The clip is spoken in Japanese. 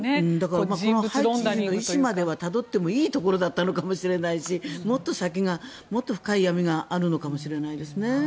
ハイチ人の医師まではたどってもいいところだったのかもしれないしもっと先に深い闇があるのかもしれないですね。